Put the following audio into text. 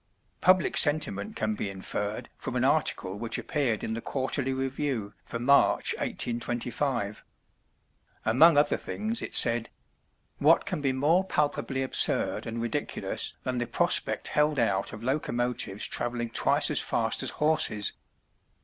Public sentiment can be inferred from an article which appeared in the Quarterly Review for March, 1825. Among other things it said: "What can be more palpably absurd and ridiculous than the prospect held out of locomotives travelling twice as fast as horses.